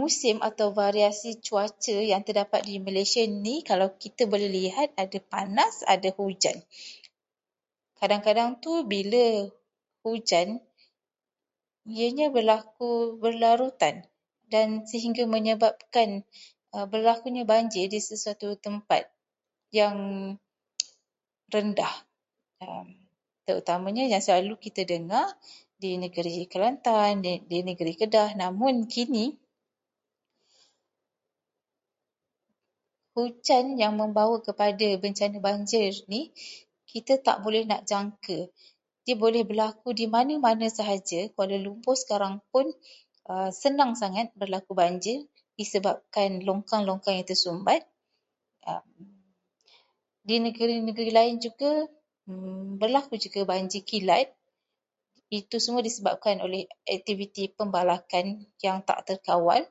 Musim atau variasi cuaca yang terdapat di Malaysia ini, kalau kita boleh lihat ada panas, ada hujan. Kadang-kadang tu, bila hujan ianya berlaku berlarutan, dan sehingga menyebabkan berlakunya banjir di sesuatu tempat yang rendah. Terutamanya, yang selalu kita dengar di negeri Kelantan, di negeri Kedah. Namun kini, hujan yang membawa kepada bencana banjir ini, kita tak boleh nak jangka. Dia boleh berlaku di mana-mana sahaja. Kuala Lumpur sekarang pun senang sangat berlaku banjir disebabkan longkang-longkang yang tersumbat. Di negeri-negeri lain berlaku juga banjir kilat. Itu semua disebabkan oleh aktiviti pembalakan yang tak terkawal.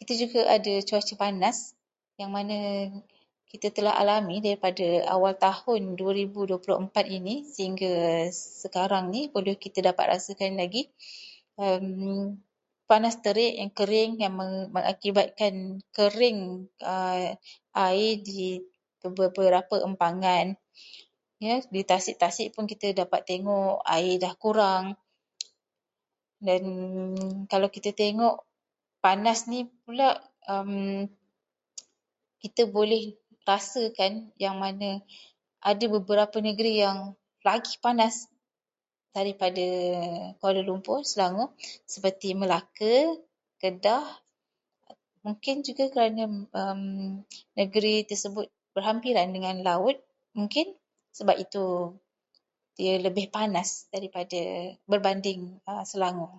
Kita juga ada cuaca panas yang mana kita telah alami sejak awal tahun dua ribu dua puluh empat ini sehingga sekarang ni. Kalau kita dapat rasakan lagi panas terik yang mengakibatkan kering air di beberapa empangan. Kemudian, di tasik-tasik juga kita dapat tengok air dah kurang. Jadi, kalau kita tengok, panas ini pula kita boleh rasakan ada beberapa negeri yang lagi panas daripada Kuala Lumpur, Selangor, seperti di Melaka, Kedah dan mungkin juga kerana negeri itu berhampiran dengan laut. Mungkin sebab itu ia lebih panas daripada- berbanding Selangor.